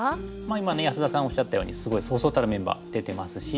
今安田さんおっしゃったようにすごいそうそうたるメンバー出てますし。